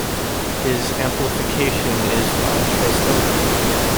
His amplification is by Trace Elliot.